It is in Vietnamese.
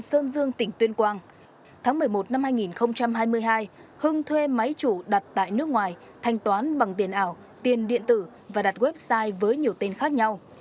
trong năm hai nghìn hai mươi hai hưng thuê máy chủ đặt tại nước ngoài thành toán bằng tiền ảo tiền điện tử và đặt website với nhiều tên khác nhau